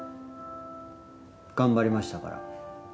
頑張りましたから。